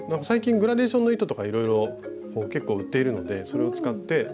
最近グラデーションの糸とかいろいろ結構売っているのでそれを使って。